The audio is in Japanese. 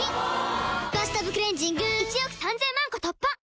「バスタブクレンジング」１億３０００万個突破！